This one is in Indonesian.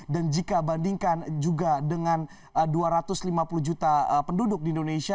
dan jika bandingkan juga dengan dua ratus lima puluh juta penduduk di indonesia